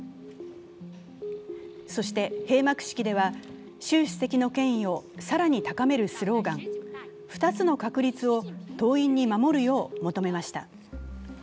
そして、閉幕式では習主席の権威う更に高めるスローガン、「二つの確立」を党員に守るよう求めました。